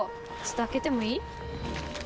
開けてもいい？